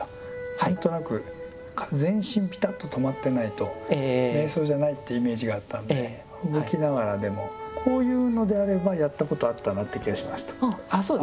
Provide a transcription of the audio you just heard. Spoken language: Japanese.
何となく全身ぴたっと止まってないと瞑想じゃないってイメージがあったんで動きながらでもこういうのであればやったことあったなって気がしました。